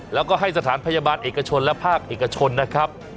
แล้วก็ให้สถานพยาบาลเอกชนและภาคเอกชนนะครับ